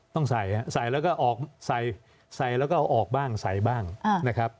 ต้องใส่ใส่แล้วก็ออกใส่แล้วก็เอาออกบ้างใส่บ้างนะครับ